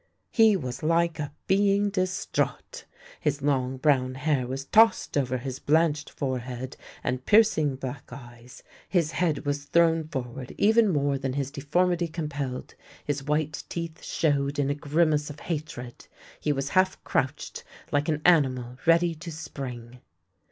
He was like a being distraught. His long brown hair was tossed over his blanched forehead and piercing black eyes. His head was thrown forward even more 28 THE LANE THAT HAD NO TURNING than his deformity compelled, his white teeth showed in a grimace of hatred; he was half crouched, like an animal ready to spring.